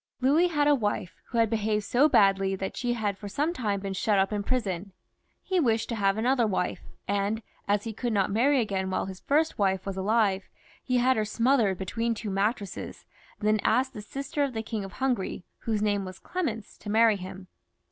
Louis had a wife who had behaved so badly, that she had for some time been shut up in prison. He wished to have another wife, and as he could not marry again while his first wife was alive, he had her smothered between two mattresses, and then asked the sister of the King of Hungary, whose name was Clemence, to marry him.